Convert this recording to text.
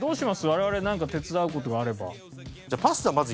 我々なんか手伝う事があれば。